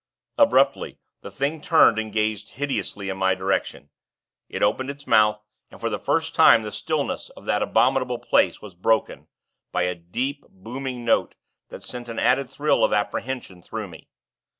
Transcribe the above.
Abruptly, the Thing turned and gazed hideously in my direction. It opened its mouth, and, for the first time, the stillness of that abominable place was broken, by a deep, booming note that sent an added thrill of apprehension through me.